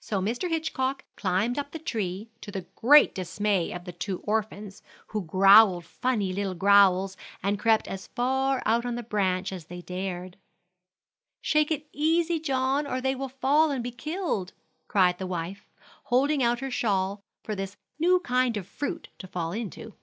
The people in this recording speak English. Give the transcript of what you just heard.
So Mr. Hitchcock climbed up the tree, to the great dismay of the two orphans, who growled funny little growls and crept as far out on the branch as they dared. "Shake easy, John, or they will fall and be killed," cried the wife, holding out her shawl for this new kind of fruit to fall into.